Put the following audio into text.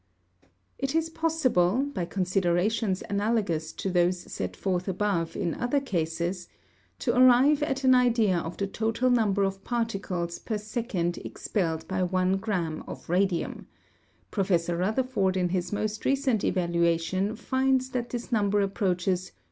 ED.] It is possible, by considerations analogous to those set forth above in other cases, to arrive at an idea of the total number of particles per second expelled by one gramme of radium; Professor Rutherford in his most recent evaluation finds that this number approaches 2.